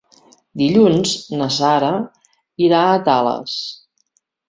Dilluns na Sara irà a Tales.